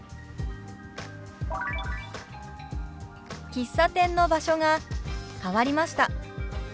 「喫茶店の場所が変わりました」。